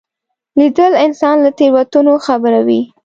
لیدل انسان له تېروتنو خبروي